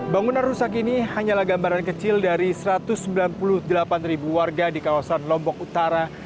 bangunan rusak ini hanyalah gambaran kecil dari satu ratus sembilan puluh delapan ribu warga di kawasan lombok utara